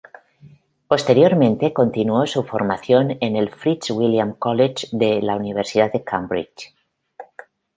Posteriormente, continuó su formación en el Fitzwilliam College de la Universidad de Cambridge.